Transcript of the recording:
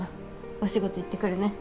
お仕事行ってくるね